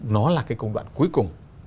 nó là cái công đoạn cuối cùng